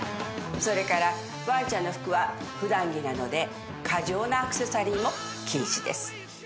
それからワンちゃんの服は普段着なので過剰なアクセサリーも禁止です。